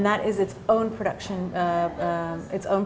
dan itu adalah produksi sendiri